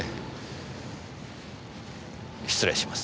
失礼します。